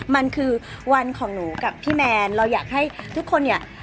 มันคือวันของหนูกับพี่แมนเราอยากให้ทุกคนเนี่ย